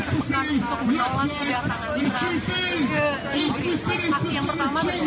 sejak institusi aksi yang pertama terjadi pada selimau waktu setempat di london